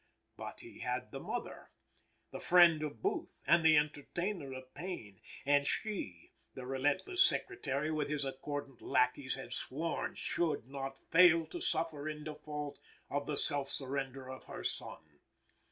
But he had the mother, the friend of Booth and the entertainer of Payne; and she, the relentless Secretary with his accordant lackeys had sworn, should not fail to suffer in default of the self surrender of her son.